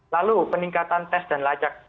lalu peningkatan tes dan lajak